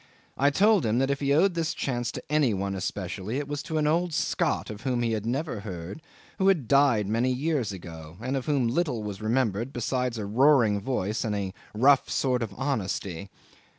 I told him that if he owed this chance to any one especially, it was to an old Scot of whom he had never heard, who had died many years ago, of whom little was remembered besides a roaring voice and a rough sort of honesty.